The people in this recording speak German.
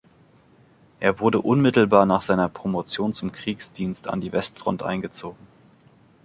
Er wurde unmittelbar nach seiner Promotion zum Kriegsdienst an die Westfront eingezogen.